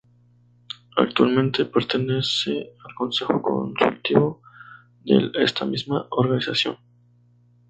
Actualmente pertenece al Consejo Consultivo del esta misma organización.